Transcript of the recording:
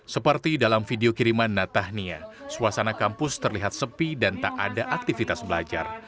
seperti dalam video kiriman natahnia suasana kampus terlihat sepi dan tak ada aktivitas belajar